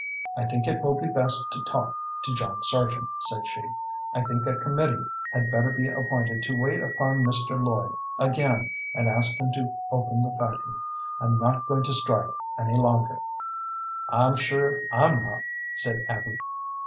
"I think it will be best to talk to John Sargent," said she. "I think a committee had better be appointed to wait upon Mr. Lloyd again, and ask him to open the factory. I'm not going to strike any longer." "I'm sure I'm not," said Abby.